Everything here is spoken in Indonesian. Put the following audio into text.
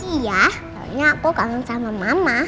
iya pokoknya aku kangen sama mama